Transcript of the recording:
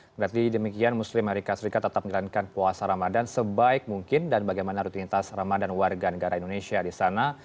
berarti demikian muslim amerika serikat tetap menjalankan puasa ramadan sebaik mungkin dan bagaimana rutinitas ramadhan warga negara indonesia di sana